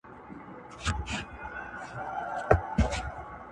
څوک نیژدې نه راښکاریږي!.